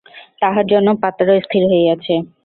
তাহার জন্য পাত্র স্থির হইয়াছে।